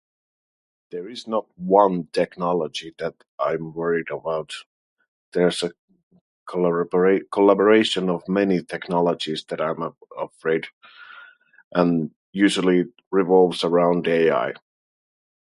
There is not one technology that I'm worried about. There's a collorabrate- collaboration of many technologies that I'm I'm afraid. And usually it revolves around AI.